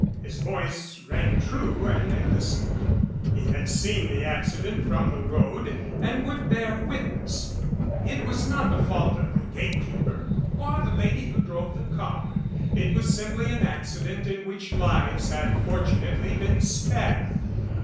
His voice rang true and they listened. He had seen the accident from the road and would bear witness. It was not the fault of the gate keeper or of the lady who drove the car. It was simply an accident in which lives had fortunately been spared.